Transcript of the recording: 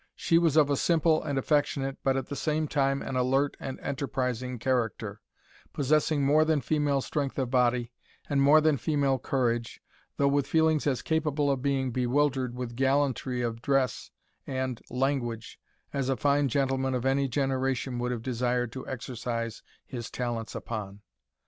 She was of a simple and affectionate, but at the same time an alert and enterprising character, possessing more than female strength of body, and more than female courage, though with feelings as capable of being bewildered with gallantry of dress and language, as a fine gentleman of any generation would have desired to exercise his talents upon.